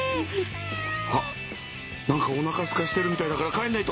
あっなんかおなかすかしてるみたいだから帰んないと。